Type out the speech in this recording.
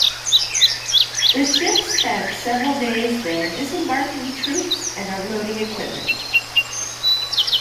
The ship spent several days there disembarking troops and unloading equipment.